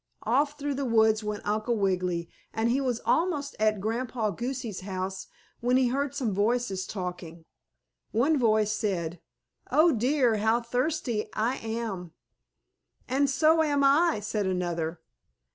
Off through the woods went Uncle Wiggily and he was almost at Grandpa Goosey's house when he heard some voices talking. One voice said: "Oh, dear! How thirsty I am!" "And so am I!" said another.